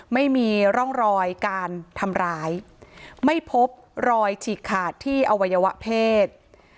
ไม่มีร่องรอยการทำร้ายไม่พบรอยฉีกขาดที่อวัยวะเพศ